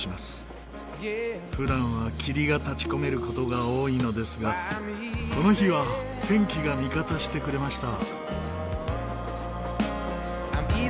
普段は霧が立ち込める事が多いのですがこの日は天気が味方してくれました。